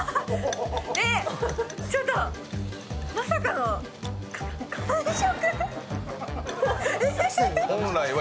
えっ、ちょっと、まさかの完食！